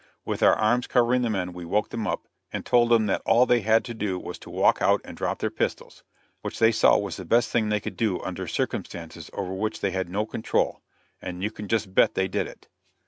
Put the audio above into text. With our arms covering the men, we woke them up, and told them that all they had to do was to walk out and drop their pistols which they saw was the best thing they could do under circumstances over which they had no control and you can just bet they did it."